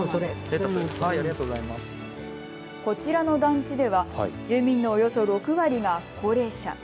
こちらの団地では住民のおよそ６割が高齢者。